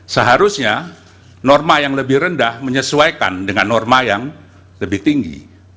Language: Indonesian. seharusnya norma yang lebih rendah menyesuaikan dengan norma yang lebih tinggi